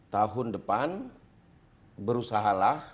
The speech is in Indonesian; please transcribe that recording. tahun depan berusahalah